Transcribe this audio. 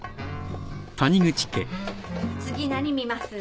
次何見ます？